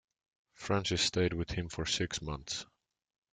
Francis stayed with him for six months.